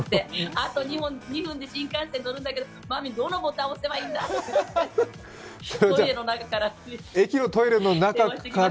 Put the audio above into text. あと２分で新幹線乗るんだけどマミー、どのボタンを押せばいいんだってトイレの中から。